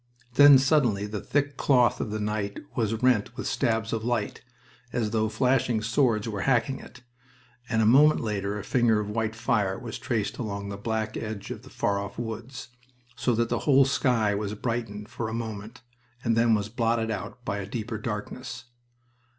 Then suddenly the thick cloth of the night was rent with stabs of light, as though flashing swords were hacking it, and a moment later a finger of white fire was traced along the black edge of the far off woods, so that the whole sky was brightened for a moment and then was blotted out by a deeper darkness...